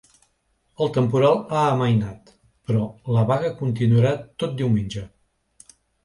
El temporal ha amainat, però la vaga continuarà tot diumenge.